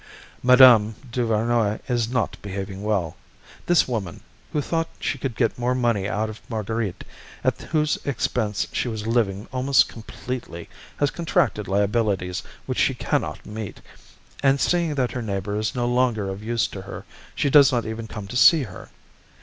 Mme. Duvernoy is not behaving well. This woman, who thought she could get more money out of Marguerite, at whose expense she was living almost completely, has contracted liabilities which she can not meet, and seeing that her neighbour is no longer of use to her, she does not even come to see her.